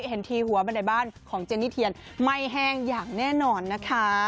เห็นทีหัวบันไดบ้านของเจนนี่เทียนไม่แห้งอย่างแน่นอนนะคะ